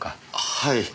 はい。